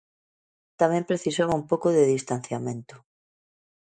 Tamén precisaba un pouco de distanciamento.